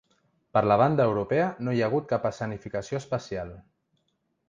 Per la banda europea no hi ha hagut cap escenificació especial.